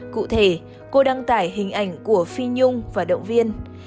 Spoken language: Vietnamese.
cụ thể cô đăng tải hình ảnh của phi nhung và động viên